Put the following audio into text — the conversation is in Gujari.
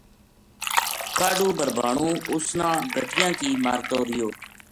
کاہڈو بھربھانو اس گَٹیاں کی مارتو ریہیو